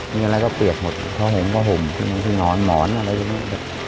นี่อะไรก็เปียกหมดข้าวหงก็ห่มนอนหมอนอะไรอย่างนี้